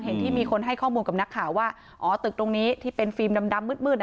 ที่มีคนให้ข้อมูลกับนักข่าวว่าอ๋อตึกตรงนี้ที่เป็นฟิล์มดำมืด